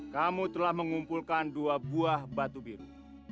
kamu telah mengumpulkan dua buah batu biru